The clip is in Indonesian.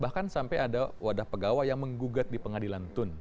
bahkan sampai ada wadah pegawai yang menggugat di pengadilan tun